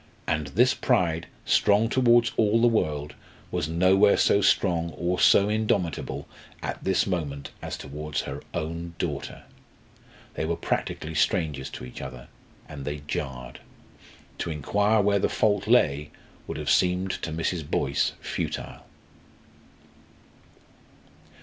And this pride, strong towards all the world, was nowhere so strong or so indomitable, at this moment, as towards her own daughter. They were practically strangers to each other; and they jarred. To inquire where the fault lay would have seemed to Mrs. Boyce futile.